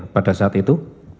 pada saat itu